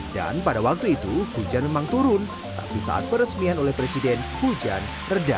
dan pada waktu itu hujan memang turun tapi saat peresmian oleh presiden hujan reda